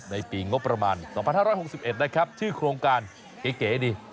ในปีงบประมาณ๒๕๖๑นะครับชื่อโครงการเก๋ดี